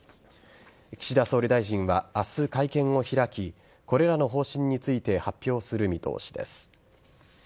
岸田総理大臣は明日会見を開きこれらの方針について発表する見通しです。